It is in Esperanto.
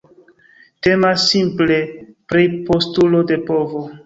Temas simple pri postulo de povo.